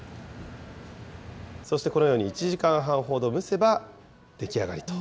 そしてこのように１時間半ほど蒸せば出来上がりと。